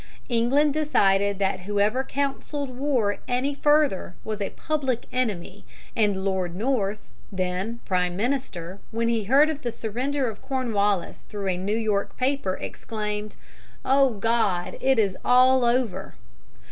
England decided that whoever counselled war any further was a public enemy, and Lord North, then prime minister, when he heard of the surrender of Cornwallis through a New York paper, exclaimed, "Oh, God! it is all over!"